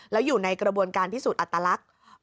แล้วอยู่ในกระบวนการพิสูจน์อัตลักษณ์